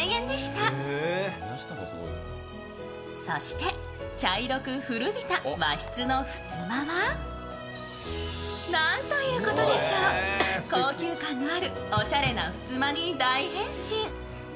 そして茶色く古びた和室のふすまはなんということでしょう、高級感のあるおしゃれなふすまに大変身。